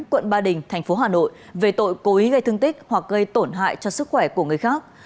quận ba đình thành phố hà nội về tội cố ý gây thương tích hoặc gây tổn hại cho sức khỏe của người khác